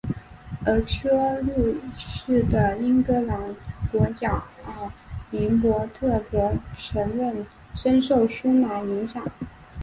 而车路士的英格兰国脚林柏特则承认深受苏拿影响。